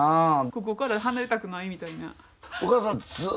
ここから離れたくないみたいな。